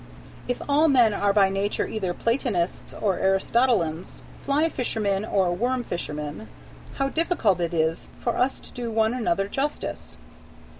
If all men are by nature either Platonists or Aristotelians, fly fishermen or worm fishermen, how difficult it is for us to do one another justice!